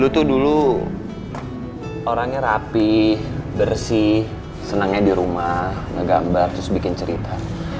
dulu tuh dulu orangnya rapih bersih senangnya di rumah ngegambar terus bikin cerita